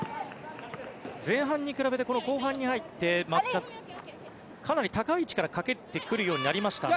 前半に比べて後半に入って松木さん、かなり高い位置からかけてくるようになりましたね。